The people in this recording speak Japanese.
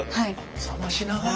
冷ましながらか。